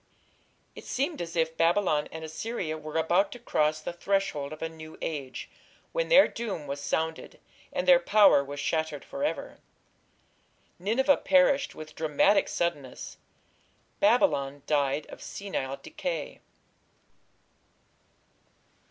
It seemed as if Babylon and Assyria were about to cross the threshold of a new age, when their doom was sounded and their power was shattered for ever. Nineveh perished with dramatic suddenness: Babylon died of "senile decay".